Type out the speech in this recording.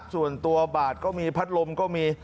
ส่วนตัวบาดก็มีพัดลมก็มี